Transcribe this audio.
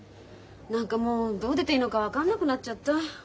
何かもうどう出ていいのか分かんなくなっちゃった。